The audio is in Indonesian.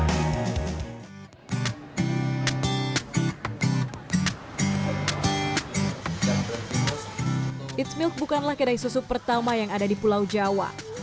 eat's milk bukanlah kedai susu pertama yang ada di pulau jawa